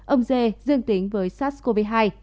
ông d dương tính với sars cov hai